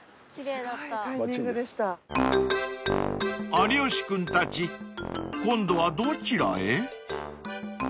［有吉君たち今度はどちらへ？］